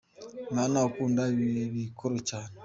mama akunda ibikoro cyane